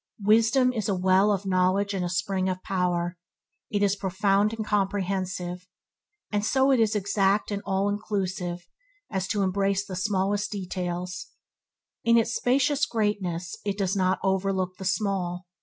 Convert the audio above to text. Wisdom is a well of knowledge and a spring of power. It is profound and comprehensive, and is so exact and all inclusive as to embrace the smallest details. In its spacious greatness it does not overlook the small.